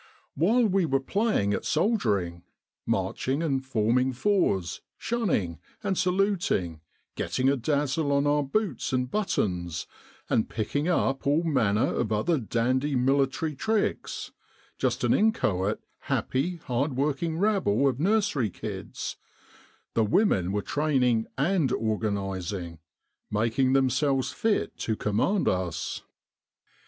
While we were playing at soldiering marching and forming fours, 'shunning' and saluting, getting a dazzle on our boots and buttons, and picking up all manner of other dandy military tricks; just an inchoate, happy, hardworking rabble of nursery kids the women were training and organising; making themselves fit to command us.